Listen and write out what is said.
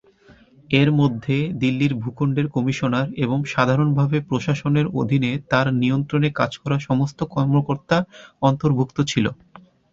এর মধ্যে দিল্লির ভূখণ্ডের কমিশনার এবং সাধারণভাবে প্রশাসনের অধীনে তাঁর নিয়ন্ত্রণে কাজ করা সমস্ত কর্মকর্তা অন্তর্ভুক্ত ছিল।